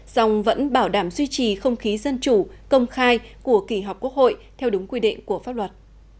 dòng vẫn bảo đảm duy trì không khí dân chủ công khai của kỳ họp quốc hội theo đúng quy định của pháp luật